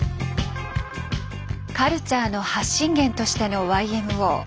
カルチャーの発信源としてのＹＭＯ。